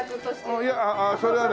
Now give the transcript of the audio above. いやそれはね